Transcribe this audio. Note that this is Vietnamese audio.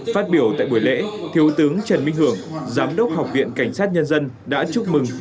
phát biểu tại buổi lễ thiếu tướng trần minh hưởng giám đốc học viện cảnh sát nhân dân đã chúc mừng